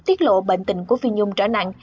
tiết lộ bệnh tình của phi nhung trở nặng